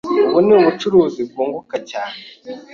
Ubu ni ubucuruzi bwunguka cyane.